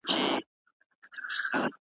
اخلاق، هیئت، نجومو او هندسه کي